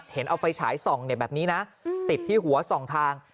เห็นเอาไฟฉายส่องแบบนี้นะติดที่หัว๒ทาง